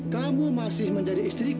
kamu masih menjadi istriku